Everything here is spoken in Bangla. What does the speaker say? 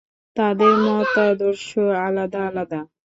তাদের মতাদর্শ আলাদা আলাদা।